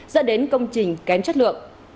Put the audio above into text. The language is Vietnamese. dẫn đến công trình kén chất lượng